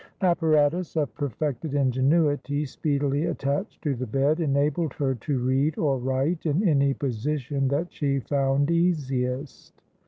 Apparatus of perfected ingenuity, speedily attached to the bed, enabled her to read or write in any position that she found easiest.